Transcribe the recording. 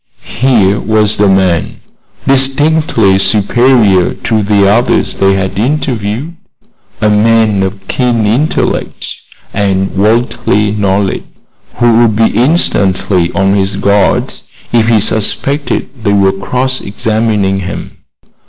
Here was a man distinctly superior to the others they had interviewed, a man of keen intellect and worldly knowledge, who would be instantly on his guard if he suspected they were cross examining him.